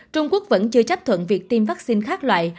trung quốc vẫn chưa chấp thuận việc tiêm vaccine khác loại